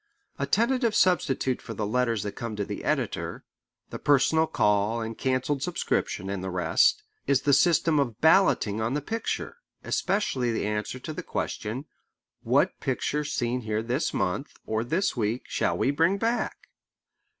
A tentative substitute for the letters that come to the editor, the personal call and cancelled subscription, and the rest, is the system of balloting on the picture, especially the answer to the question, "What picture seen here this month, or this week, shall we bring back?"